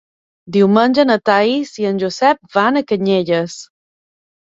Diumenge na Thaís i en Josep van a Canyelles.